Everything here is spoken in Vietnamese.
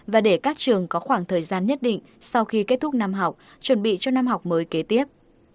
và để các trường có khoảng thời gian nhất định sau khi kết thúc năm học chuẩn bị cho năm học mới kế tiếp